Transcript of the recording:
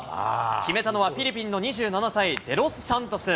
決めたのはフィリピンの２７歳、デロスサントス。